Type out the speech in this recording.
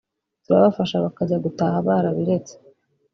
turabafasha bakajya gutaha barabiretse